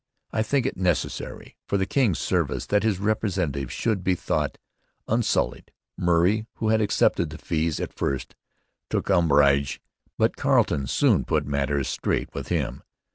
I think it necessary for the King's service that his representative should be thought unsullied.' Murray, who had accepted the fees, at first took umbrage. But Carleton soon put matters straight with him.